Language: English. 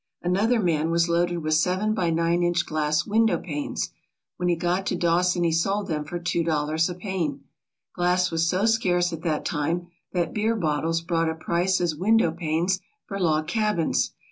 "Another man was loaded with seven by nine inch glass window panes. When he got to Dawson he sold them for two dollars a pane. Glass was so scarce at that time that beer bottles brought a price as window panes for log cabins.